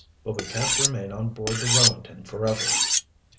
But we can't remain on board the Wellington forever."